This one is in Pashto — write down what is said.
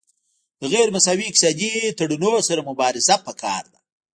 د غیر مساوي اقتصادي تړونونو سره مبارزه پکار ده